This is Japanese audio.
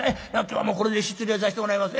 今日はこれで失礼させてもらいます。